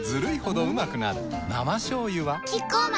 生しょうゆはキッコーマン